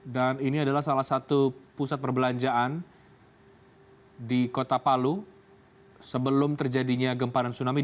dan ini adalah salah satu pusat perbelanjaan di kota palu sebelum terjadinya gempa dan tsunami